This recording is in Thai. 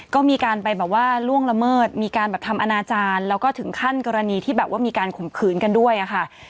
ก็มีการไปล่วงละเมิดมีการทำอนาจารย์แล้วก็ถึงขั้นกรณีที่มีการขุมขืนกันด้วยค่ะ